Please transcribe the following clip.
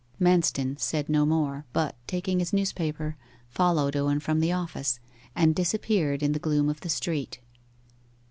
Manston said no more, but, taking his newspaper, followed Owen from the office, and disappeared in the gloom of the street.